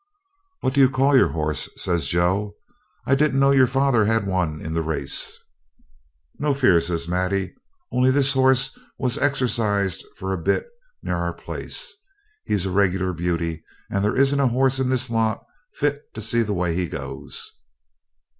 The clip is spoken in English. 'What do you call your horse?' says Joe. 'I didn't know your father had one in this race.' 'No fear,' says Maddie; 'only this horse was exercised for a bit near our place. He's a regular beauty, and there isn't a horse in this lot fit to see the way he goes.'